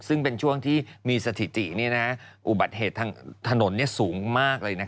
ซึ่งเป็นช่วงที่มีสถิติอุบัติเหตุทางถนนสูงมากเลย